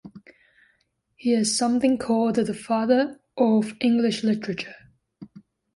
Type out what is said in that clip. He is sometimes called the father of English literature.